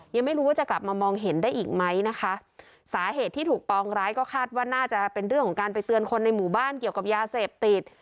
ยังไม่รู้ว่าจะกลับมามองเห็นได้อีกไหมนะคะสาเหตุที่ถูกปองร้ายก็คาดว่าน่าจะเป็นเรื่องของการไปเตือนคนในหมู่บ้านเกี่ยวกับยาเสพติด